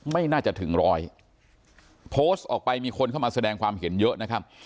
ไม่น่าจะถึงร้อยโพสต์ออกไปมีคนเข้ามาแสดงความเห็นเยอะนะครับ